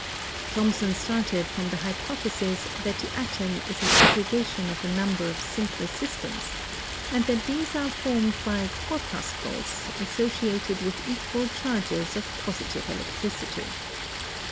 Thom son started from the hypothesis that the atom is an aggre gation of a number of simpler systems, and that these are formed by "corpuscles" associated with equal charges of positive electricity.